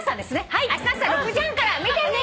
あしたの朝６時半から見てね！